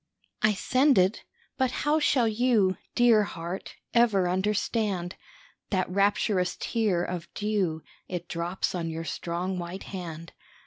I send it, but how shall you, Dear heart, ever understand That rapturous tear of dew, It drops on your strong white hand?